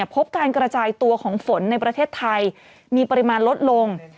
พบการกระจายตัวของฝนในประเทศไทยมีปริมาณลดลง